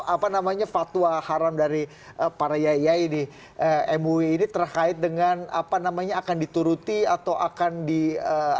apa namanya fatwa haram dari para yayai di mui ini terkait dengan apa namanya akan dituruti atau akan di